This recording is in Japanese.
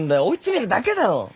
追い詰めるだけだろ。